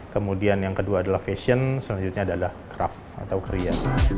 kemudian yang kedua adalah fashion selanjutnya adalah craft atau kria